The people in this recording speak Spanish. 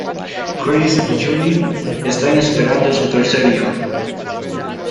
Chris y Julie están esperando su tercer hijo.